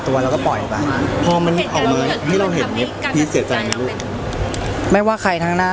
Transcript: ถามครับถามครับ